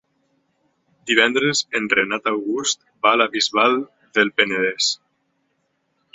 Divendres en Renat August va a la Bisbal del Penedès.